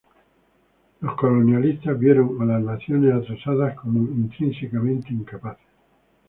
Los colonialistas vieron a las naciones "atrasadas" como intrínsecamente incapaces.